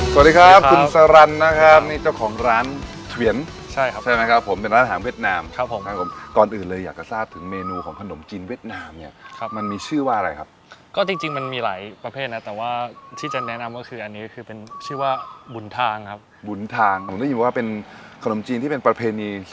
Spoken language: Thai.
สวัสดีครับคุณสรรนะครับนี่เจ้าของร้านเหวียนใช่ครับใช่ไหมครับผมเป็นร้านอาหารเวียดนามครับผมครับผมก่อนอื่นเลยอยากจะทราบถึงเมนูของขนมจีนเวียดนามเนี่ยครับมันมีชื่อว่าอะไรครับก็จริงจริงมันมีหลายประเภทนะแต่ว่าที่จะแนะนำก็คืออันนี้คือเป็นชื่อว่าบุญทางครับบุญทางผมได้ยินว่าเป็นขนมจีนที่เป็นประเพณี